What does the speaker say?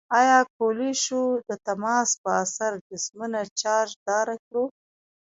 آیا کولی شو د تماس په اثر جسمونه چارج داره کړو؟